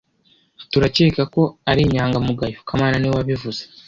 Turakeka ko ari inyangamugayo kamana niwe wabivuze